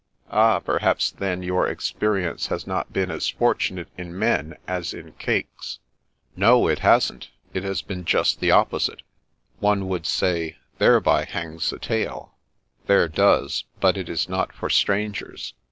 " Ah, perhaps then, your experience has not been as fortunate in men as in cakes." " No, it hasn't. It has been just the opposite." " One would say, ' Thereby hangs a tale.' "" There does. But it is not for strangers."